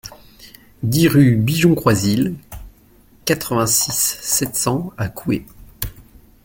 dix rue Bigeon Croisil, quatre-vingt-six, sept cents à Couhé